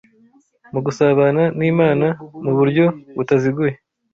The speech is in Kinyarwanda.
mu gusabana n’Imana mu buryo butaziguye;